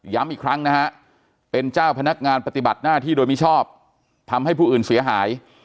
อีกครั้งนะฮะเป็นเจ้าพนักงานปฏิบัติหน้าที่โดยมิชอบทำให้ผู้อื่นเสียหาย